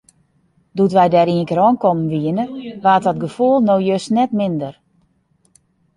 Doe't wy dêr ienkear oankommen wiene, waard dat gefoel no just net minder.